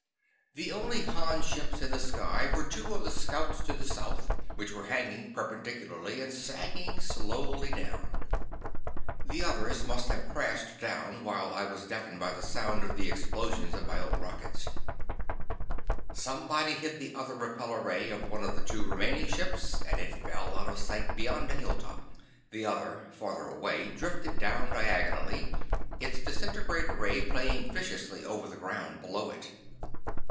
The only Han ships in the sky were two of the scouts to the south which were hanging perpendicularly, and sagging slowly down. The others must have crashed down while I was deafened by the sound of the explosion of my own rockets. Somebody hit the other repellor ray of one of the two remaining ships and it fell out of sight beyond a hilltop. The other, farther away, drifted down diagonally, its disintegrator ray playing viciously over the ground below it.